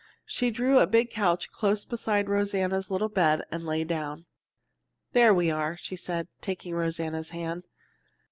She drew a big couch close beside Rosanna's little bed and lay down. "There we are!" she said, taking Rosanna's hand.